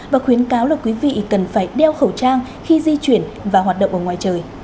và khuyến cáo là quý vị cần phải đeo khẩu trang khi di chuyển và hoạt động ở ngoài trời